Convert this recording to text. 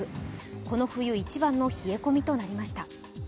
この冬一番の冷え込みとなりました。